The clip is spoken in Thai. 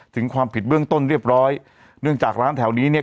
ถึงความผิดเบื้องต้นเรียบร้อยเนื่องจากร้านแถวนี้เนี่ย